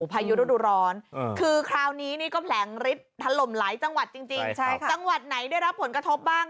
พายุฤดูร้อนคือคราวนี้นี่ก็แผลงฤทธิ์ถล่มหลายจังหวัดจริงจังหวัดไหนได้รับผลกระทบบ้าง